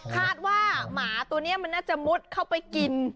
คาดว่าหมาตัวนี้มันน่าจะมดเข้าไปกิน